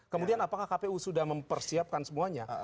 kemudian apakah kpu sudah mempersiapkan semuanya